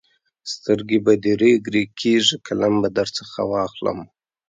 سترګې به دې رېګ رېګ کېږي؛ قلم به درڅخه واخلم.